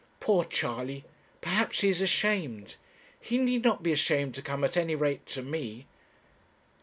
'Poor Charley! perhaps he is ashamed. He need not be ashamed to come at any rate to me.'